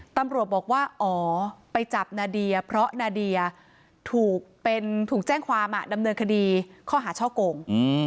ตำรวจบอกว่าอ๋อไปจับนาเดียเพราะนาเดียถูกแจ้งความดำเนินคดีข้อหาช่อโกง